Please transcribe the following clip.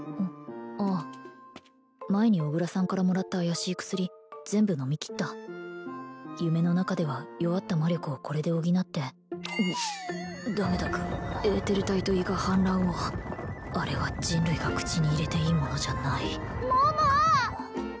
ああ前に小倉さんからもらった怪しい薬全部飲みきった夢の中では弱った魔力をこれで補ってうっダメだエーテル体と胃が反乱をあれは人類が口に入れていいものじゃない桃桃！